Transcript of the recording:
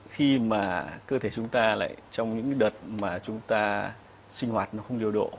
khi mà cơ thể chúng ta lại trong những đợt mà chúng ta sinh hoạt nó không điều độ